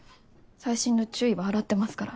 細心の注意は払ってますから。